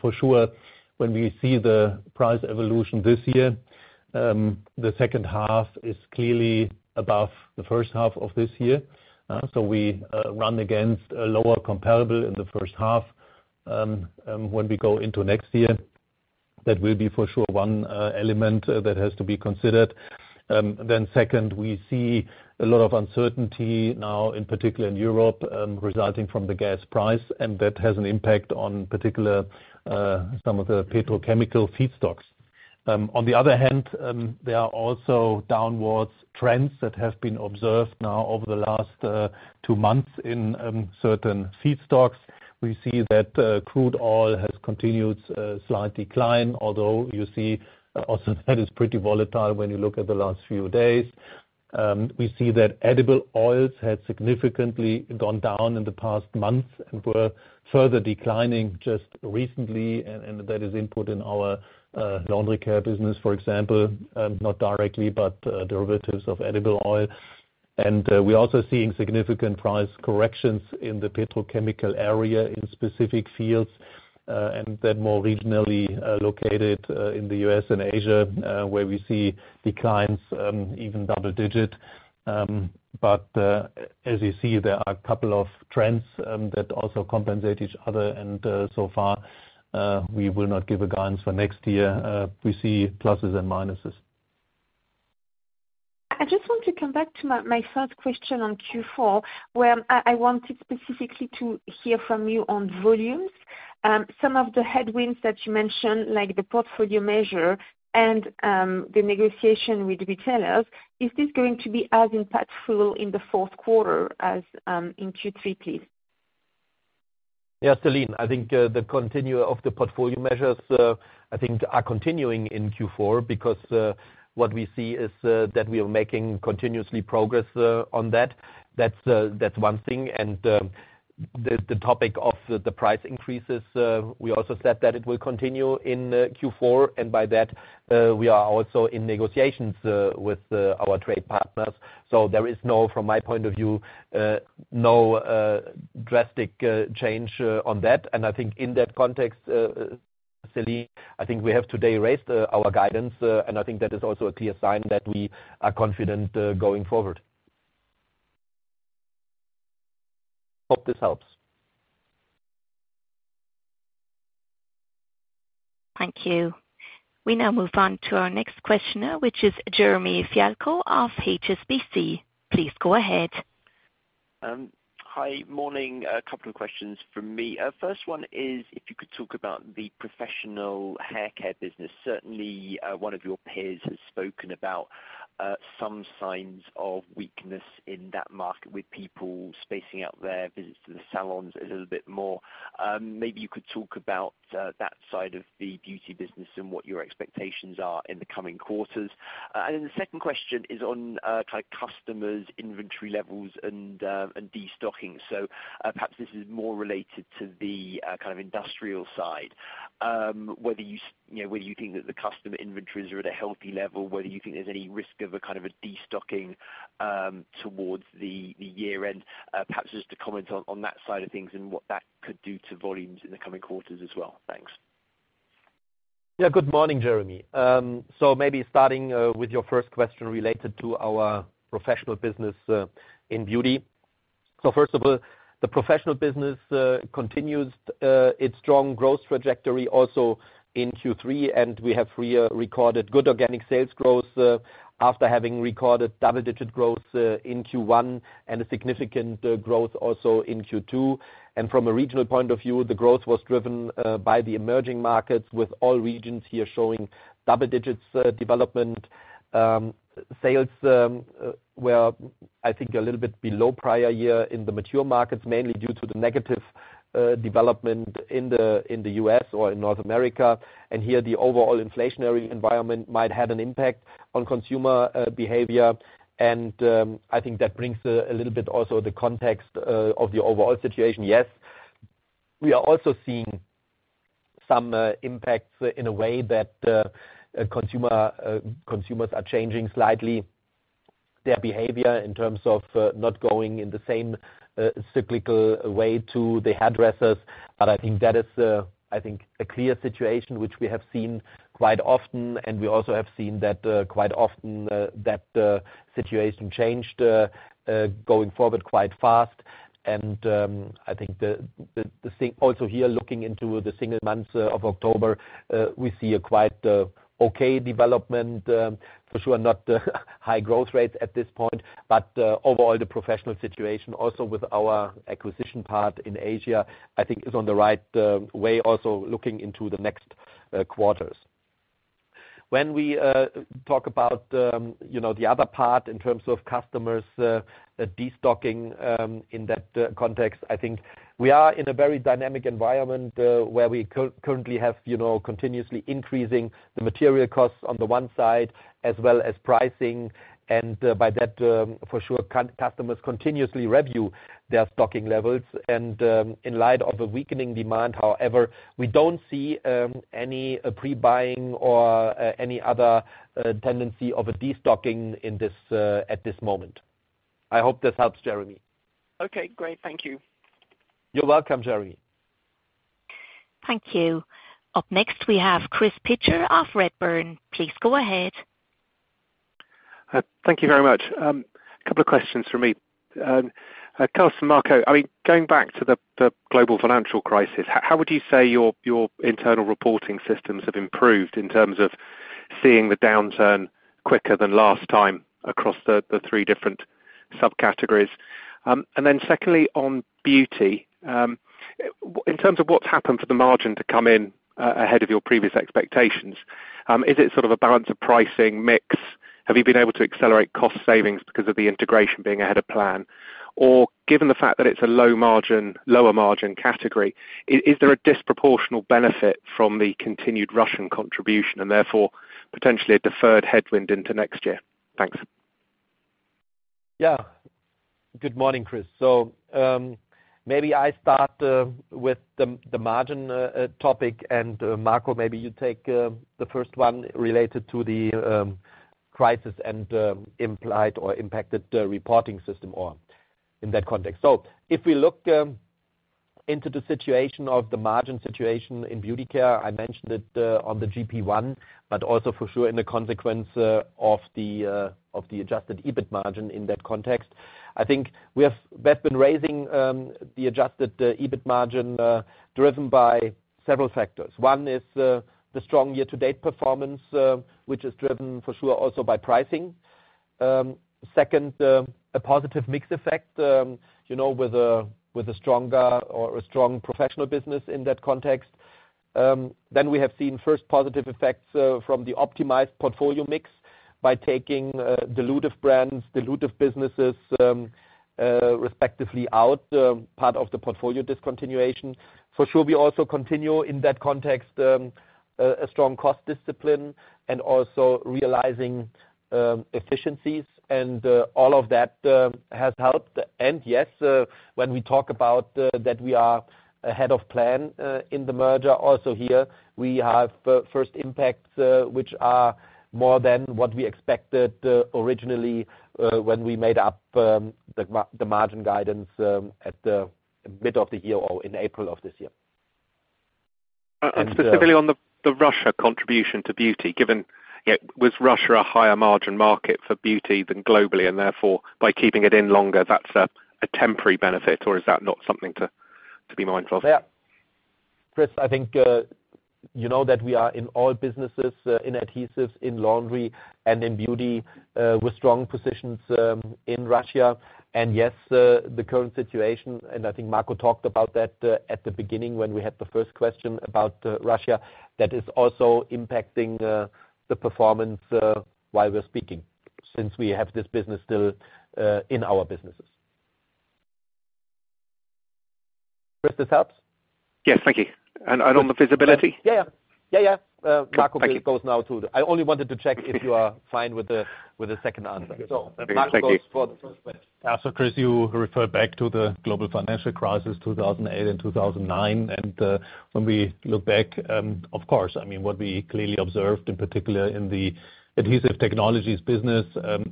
S3: for sure when we see the price evolution this year, the second half is clearly above the first half of this year. We run against a lower comparable in the first half. When we go into next year, that will be for sure one element that has to be considered. Second, we see a lot of uncertainty now in particular in Europe, resulting from the gas price, and that has an impact on some of the petrochemical feedstocks. On the other hand, there are also downwards trends that have been observed now over the last two months in certain feedstocks. We see that crude oil has continued a slight decline, although you see also that is pretty volatile when you look at the last few days. We see that edible oils had significantly gone down in the past month and were further declining just recently, and that is input in our Laundry & Home Care business, for example, not directly, but derivatives of edible oil. We're also seeing significant price corrections in the petrochemical area in specific fields, and then more regionally located in the U.S. and Asia, where we see declines even double-digit. As you see, there are a couple of trends that also compensate each other and so far, we will not give a guidance for next year. We see pluses and minuses.
S8: I just want to come back to my first question on Q4, where I wanted specifically to hear from you on volumes. Some of the headwinds that you mentioned, like the portfolio measure and the negotiation with retailers, is this going to be as impactful in the fourth quarter as in Q3, please?
S2: Celine, I think the continue of the portfolio measures are continuing in Q4 because what we see is that we are making continuously progress on that. That is one thing. The topic of the price increases, we also said that it will continue in Q4, and by that, we are also in negotiations with our trade partners. There is, from my point of view, no drastic change on that. In that context, Celine, we have today raised our guidance, and that is also a clear sign that we are confident going forward. Hope this helps.
S1: Thank you. We now move on to our next questioner, which is Jeremy Fialko of HSBC. Please go ahead.
S9: Morning. A couple of questions from me. First one is if you could talk about the professional haircare business. Certainly, one of your peers has spoken about some signs of weakness in that market with people spacing out their visits to the salons a little bit more. Maybe you could talk about that side of the beauty business and what your expectations are in the coming quarters. The second question is on customers' inventory levels and de-stocking. Perhaps this is more related to the industrial side. Whether you think that the customer inventories are at a healthy level, whether you think there is any risk of a de-stocking towards the year-end. Perhaps just to comment on that side of things and what that could do to volumes in the coming quarters as well. Thanks.
S2: Good morning, Jeremy. Maybe starting with your first question related to our professional business in beauty. First of all, the professional business continues its strong growth trajectory also in Q3, we have recorded good organic sales growth, after having recorded double-digit growth in Q1, and a significant growth also in Q2. From a regional point of view, the growth was driven by the emerging markets, with all regions here showing double digits development. Sales were a little bit below prior year in the mature markets, mainly due to the negative development in the U.S. or in North America. Here, the overall inflationary environment might have an impact on consumer behavior. That brings a little bit also the context of the overall situation. Yes, we are also seeing some impacts in a way that consumers are changing slightly their behavior in terms of not going in the same cyclical way to the hairdressers. I think that is a clear situation which we have seen quite often, and we also have seen that quite often, that situation changed, going forward quite fast. I think also here, looking into the single months of October, we see a quite okay development. For sure, not high growth rates at this point, but, overall, the professional situation also with our acquisition part in Asia, I think is on the right way, also looking into the next quarters. When we talk about the other part in terms of customers, de-stocking in that context, I think we are in a very dynamic environment, where we currently have continuously increasing the material costs on the one side as well as pricing. By that, for sure, customers continuously review their stocking levels. In light of a weakening demand, however, we don't see any pre-buying or any other tendency of a de-stocking at this moment. I hope this helps, Jeremy.
S9: Okay, great. Thank you.
S2: You're welcome, Jeremy.
S1: Thank you. Up next, we have Chris Pitcher of Redburn. Please go ahead.
S10: Thank you very much. Couple of questions from me. Carsten and Marco, going back to the global financial crisis, how would you say your internal reporting systems have improved in terms of seeing the downturn quicker than last time across the three different subcategories? Secondly, on Beauty. In terms of what's happened for the margin to come in, ahead of your previous expectations, is it sort of a balance of pricing mix? Have you been able to accelerate cost savings because of the integration being ahead of plan? Given the fact that it's a lower margin category, is there a disproportional benefit from the continued Russian contribution and therefore potentially a deferred headwind into next year? Thanks.
S2: Good morning, Chris. Maybe I start with the margin topic, and Marco, maybe you take the first one related to the crisis and implied or impacted the reporting system in that context. If we look into the margin situation in Beauty Care, I mentioned it, on the GP1, but also for sure in the consequence of the adjusted EBIT margin in that context. I think we have been raising the adjusted EBIT margin, driven by several factors. One is the strong year-to-date performance, which is driven for sure also by pricing. Second, a positive mix effect, with a strong professional business in that context. We have seen first positive effects from the optimized portfolio mix by taking dilutive brands, dilutive businesses, respectively out, part of the portfolio discontinuation. For sure, we also continue in that context, a strong cost discipline and also realizing efficiencies and all of that has helped. Yes, when we talk about that we are ahead of plan, in the merger. Also here we have first impacts, which are more than what we expected originally, when we made up the margin guidance at the mid of the year or in April of this year.
S10: Specifically on the Russia contribution to beauty. Was Russia a higher margin market for beauty than globally and therefore by keeping it in longer, that's a temporary benefit or is that not something to be mindful of?
S2: Yeah. Chris, I think, you know that we are in all businesses, in adhesives, in laundry and in beauty, with strong positions in Russia. Yes, the current situation, and I think Marco talked about that at the beginning when we had the first question about Russia, that is also impacting the performance while we're speaking, since we have this business still in our businesses. Chris, this helps?
S10: Yes. Thank you. On the visibility?
S2: Yeah. Marco, I only wanted to check if you are fine with the second answer.
S10: Thank you.
S2: Marco goes first.
S3: Chris, you referred back to the global financial crisis 2008 and 2009, when we look back, of course, what we clearly observed, in particular in the Adhesive Technologies business,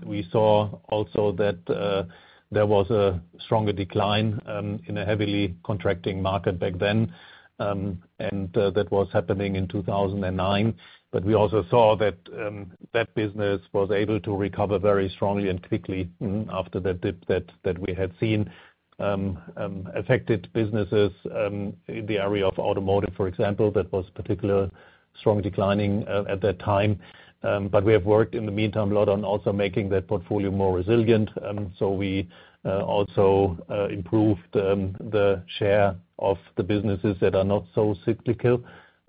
S3: we saw also that there was a stronger decline in a heavily contracting market back then. That was happening in 2009. We also saw that that business was able to recover very strongly and quickly after that dip that we had seen affected businesses in the area of automotive, for example, that was particularly strongly declining at that time. We have worked in the meantime a lot on also making that portfolio more resilient. We also improved the share of the businesses that are not so cyclical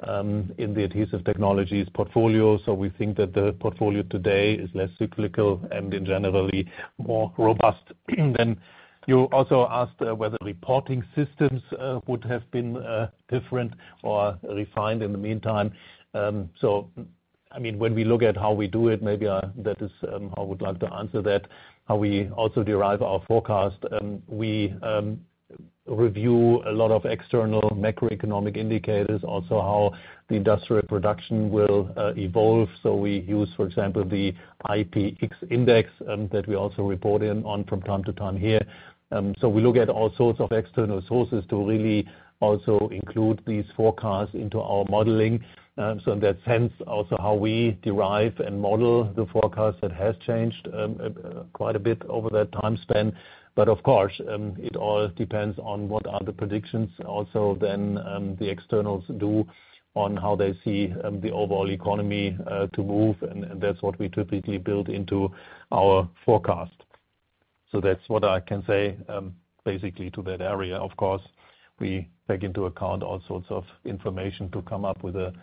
S3: in the Adhesive Technologies portfolio. We think that the portfolio today is less cyclical and generally more robust than you also asked whether reporting systems would have been different or refined in the meantime. When we look at how we do it, maybe I would like to answer that, how we also derive our forecast. We review a lot of external macroeconomic indicators, also how the industrial production will evolve. We use, for example, the IPX index, that we also report in on from time to time here. We look at all sorts of external sources to really also include these forecasts into our modeling. In that sense, also how we derive and model the forecast, that has changed quite a bit over that time span. Of course, it all depends on what are the predictions also then the externals do on how they see the overall economy to move. That's what we typically build into our forecast. That's what I can say, basically to that area. Of course, we take into account all sorts of information to come up with the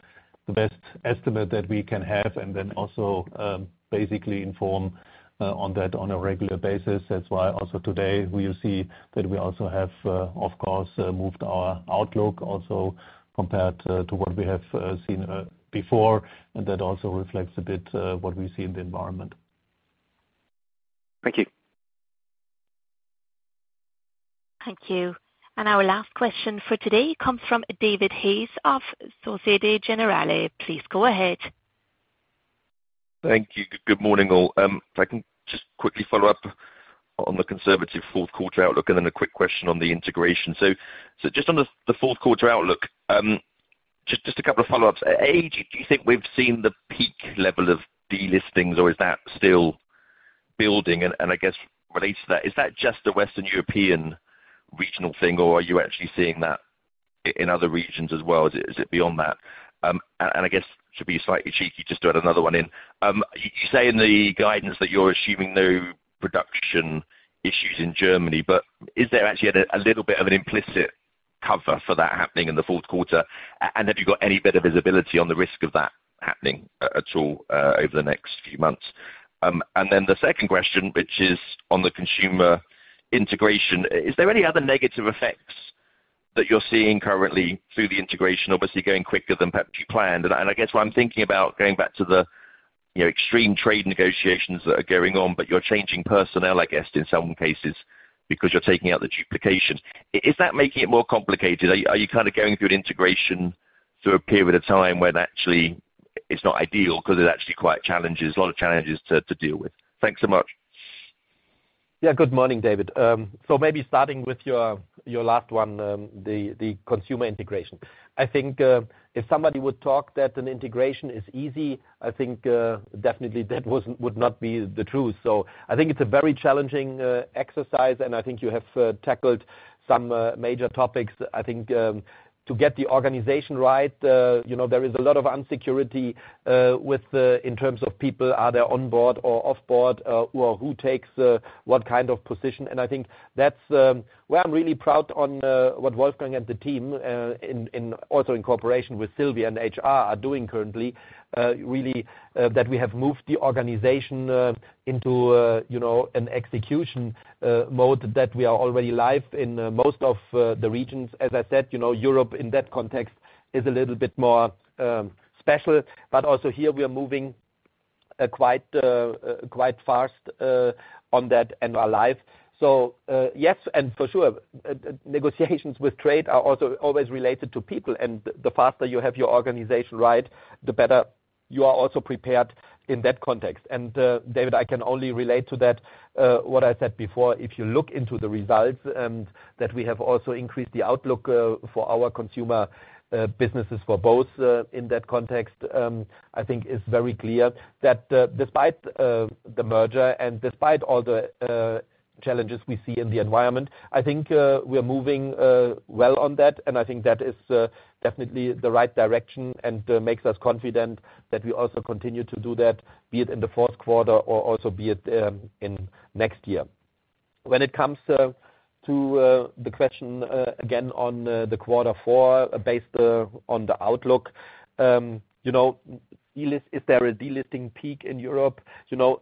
S3: best estimate that we can have and then also basically inform on that on a regular basis. That's why also today we'll see that we also have, of course, moved our outlook also compared to what we have seen before. That also reflects a bit what we see in the environment.
S10: Thank you.
S1: Thank you. Our last question for today comes from David Hayes of Societe Generale. Please go ahead.
S11: Thank you. Good morning, all. If I can just quickly follow up on the conservative fourth quarter outlook and then a quick question on the integration. Just on the fourth quarter outlook, just a couple of follow-ups. A, do you think we've seen the peak level of delistings or is that still building? I guess related to that, is that just a Western European regional thing or are you actually seeing that in other regions as well? Is it beyond that? I guess to be slightly cheeky, just to add another one in. You say in the guidance that you're assuming no production issues in Germany, is there actually a little bit of an implicit cover for that happening in the fourth quarter? Have you got any bit of visibility on the risk of that happening at all over the next few months? The second question, which is on the consumer integration. Is there any other negative effects that you are seeing currently through the integration, obviously going quicker than perhaps you planned? I guess what I am thinking about, going back to the extreme trade negotiations that are going on, you are changing personnel, I guess, in some cases because you are taking out the duplications. Is that making it more complicated? Are you going through an integration through a period of time when actually it is not ideal because it actually quite challenging, a lot of challenges to deal with? Thanks so much.
S2: Yeah. Good morning, David. Maybe starting with your last one, the consumer integration. I think if somebody would talk that an integration is easy, I think definitely that would not be the truth. I think it is a very challenging exercise and I think you have tackled some major topics. I think to get the organization right, there is a lot of insecurity in terms of people. Are they on board or off board? Or who takes what kind of position? And I think that is where I am really proud on what Wolfgang and the team, also in cooperation with Sylvie and HR, are doing currently. Really, that we have moved the organization into an execution mode that we are already live in most of the regions. As I said, Europe in that context is a little bit more special. Also here we are moving quite fast on that and are live. Yes, for sure, negotiations with trade are also always related to people and the faster you have your organization right, the better you are also prepared in that context. David, I can only relate to that, what I said before. If you look into the results, that we have also increased the outlook for our consumer businesses for both in that context. I think it is very clear that despite the merger and despite all the challenges we see in the environment, I think we are moving well on that and I think that is definitely the right direction and makes us confident that we also continue to do that, be it in the fourth quarter or also be it in next year. When it comes to the question again on the quarter four based on the outlook. Is there a delisting peak in Europe?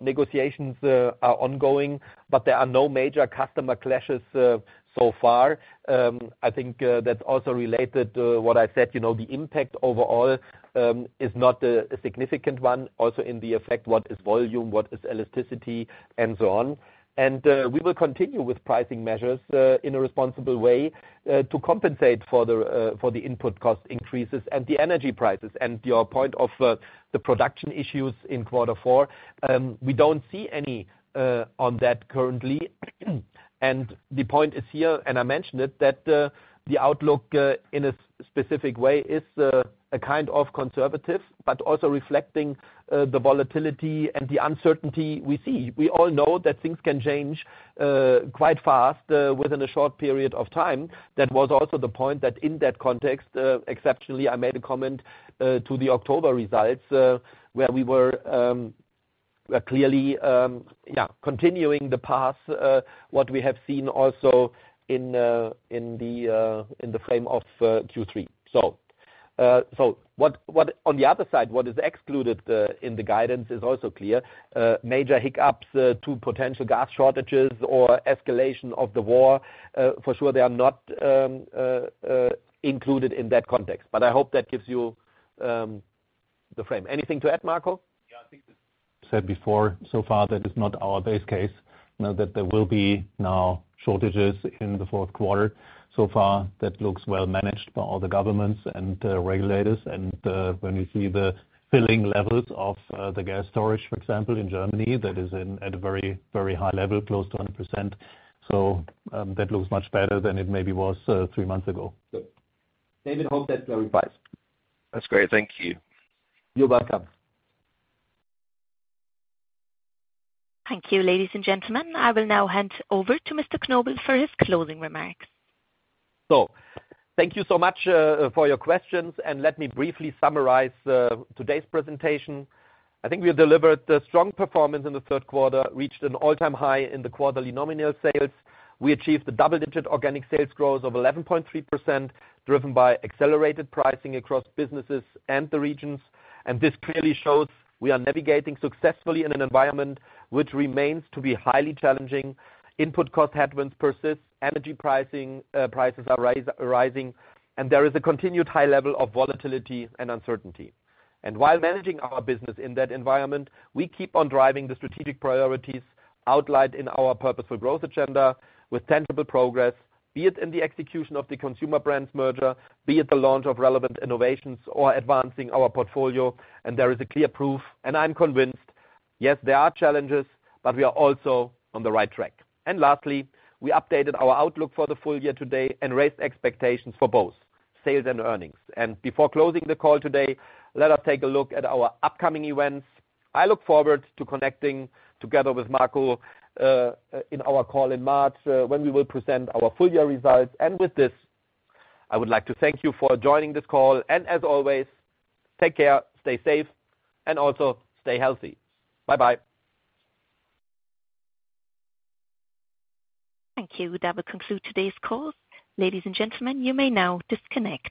S2: Negotiations are ongoing, but there are no major customer clashes so far. I think that is also related to what I said, the impact overall is not a significant one. Also in the effect, what is volume, what is elasticity, and so on. We will continue with pricing measures in a responsible way to compensate for the input cost increases and the energy prices. Your point of the production issues in quarter four, we do not see any on that currently. The point is here, and I mentioned it, that the outlook, in a specific way, is a kind of conservative, but also reflecting the volatility and the uncertainty we see. We all know that things can change quite fast within a short period of time. That was also the point that in that context, exceptionally, I made a comment to the October results, where we were clearly continuing the path, what we have seen also in the frame of Q3. On the other side, what is excluded in the guidance is also clear. Major hiccups to potential gas shortages or escalation of the war, for sure they are not included in that context. I hope that gives you the frame. Anything to add, Marco?
S3: I think as said before, so far that is not our base case, that there will be now shortages in the fourth quarter. So far, that looks well managed by all the governments and regulators. When you see the filling levels of the gas storage, for example, in Germany, that is at a very high level, close to 100%. That looks much better than it maybe was three months ago.
S2: Good. David, hope that clarifies.
S11: That's great. Thank you.
S2: You're welcome.
S1: Thank you, ladies and gentlemen. I will now hand over to Mr. Knobel for his closing remarks.
S2: Thank you so much for your questions, and let me briefly summarize today's presentation. I think we delivered a strong performance in the third quarter, reached an all-time high in the quarterly nominal sales. We achieved a double-digit organic sales growth of 11.3%, driven by accelerated pricing across businesses and the regions. This clearly shows we are navigating successfully in an environment which remains to be highly challenging. Input cost headwinds persist, energy prices are rising, and there is a continued high level of volatility and uncertainty. While managing our business in that environment, we keep on driving the strategic priorities outlined in the Purposeful Growth agenda with tangible progress, be it in the execution of the Consumer Brands merger, be it the launch of relevant innovations or advancing our portfolio. There is a clear proof, and I'm convinced, yes, there are challenges, but we are also on the right track. Lastly, we updated our outlook for the full year today and raised expectations for both sales and earnings. Before closing the call today, let us take a look at our upcoming events. I look forward to connecting together with Marco in our call in March, when we will present our full-year results. With this, I would like to thank you for joining this call, and as always, take care, stay safe, and also stay healthy. Bye-bye.
S1: Thank you. That will conclude today's call. Ladies and gentlemen, you may now disconnect.